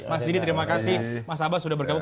mas dini terima kasih mas abah sudah bergabung